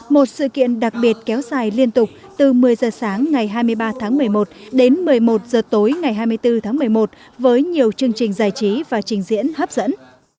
một sự kiện đặc biệt kéo dài liên tục từ một mươi h sáng ngày hai mươi ba tháng một mươi một đến một mươi một h tối ngày hai mươi bốn tháng một mươi một với nhiều chương trình giải trí và trình diễn hấp dẫn